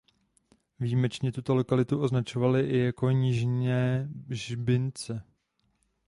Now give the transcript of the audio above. Výjimečně tuto lokalitu označovali i jako Nižné Žbince.